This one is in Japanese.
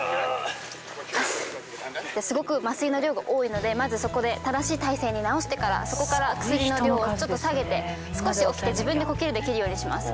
すごく麻酔の量が多いのでまずそこで正しい体勢に直してからそこから薬の量をちょっと下げて少し起きて自分で呼吸できるようにします。